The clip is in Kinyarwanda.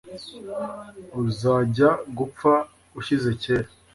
uzajya gupfa ushyize kera